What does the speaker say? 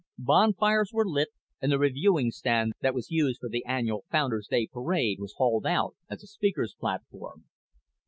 Bonfires were lit and the reviewing stand that was used for the annual Founders' Day parade was hauled out as a speaker's platform.